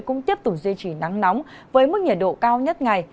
cũng tiếp tục duy trì nắng nóng với mức nhiệt độ cao nhất ngày